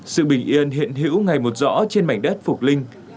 sự bình yên hiện hữu ngày một rõ trên mảnh đất phục linh